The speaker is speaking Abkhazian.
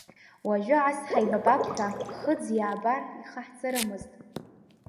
Уажәы ас ҳаибабап ҳәа, ԥхыӡ иаабар, ихаҳҵарымызт.